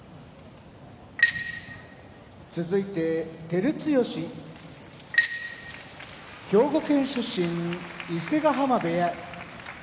照強兵庫県出身伊勢ヶ濱部屋